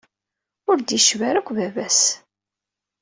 Ur d-yecbi ara akk baba-s.